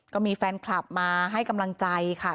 ก็มีแฟนคลับมาให้กำลังใจค่ะ